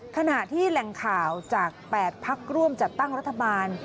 ขณะที่แหล่งข่าวจาก๘พักร่วมจัดตั้งรัฐบาล